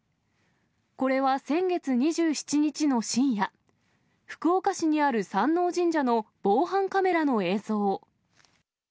これは先月２７日の深夜、福岡市にある山王神社の防犯カメラの映像。